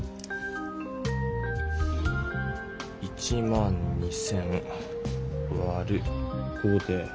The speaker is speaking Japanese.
１２０００わる５で。